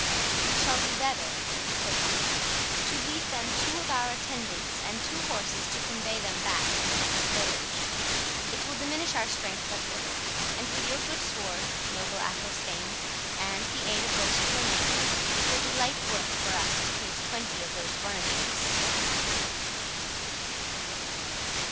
"We shall do better," said he, "to leave them two of our attendants and two horses to convey them back to the next village. It will diminish our strength but little; and with your good sword, noble Athelstane, and the aid of those who remain, it will be light work for us to face twenty of those runagates."